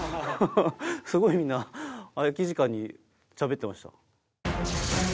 すごいみんな空き時間にしゃべってました。